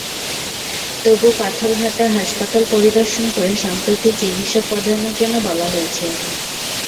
তবু পাথরঘাটা হাসপাতাল পরিদর্শন করে সম্প্রতি চিকিৎসক পদায়নের জন্য বলা হয়েছে।